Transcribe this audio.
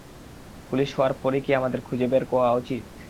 Police হওয়ার পরই কি আমাদের খুঁজে বের করা উচিত?